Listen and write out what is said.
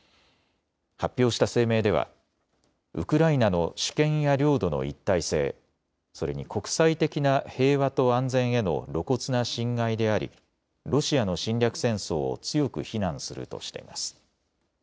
発表した声明ではウクライナの主権や領土の一体性、それに国際的な平和と安全への露骨な侵害でありロシアの侵略戦争を強く非難するとしています。